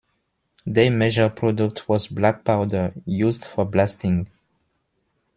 Their major product was black powder, used for blasting.